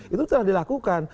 itu telah dilakukan